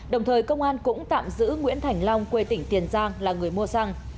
đồng thời công an cũng tạm giữ nguyễn thành long quê tỉnh tiền giang là người mua xăng